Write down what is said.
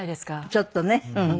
ちょっとねうん。